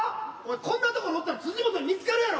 こんなとこおったら辻本に見つかるやろ。